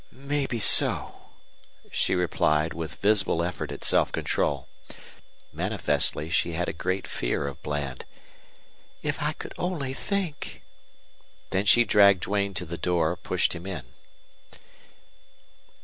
"Maybe so," she replied, with visible effort at self control. Manifestly she had a great fear of Bland. "If I could only think!" Then she dragged Duane to the door, pushed him in.